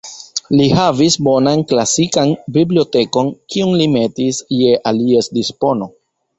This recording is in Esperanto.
Li havis bonan klasikan bibliotekon, kiun li metis je alies dispono.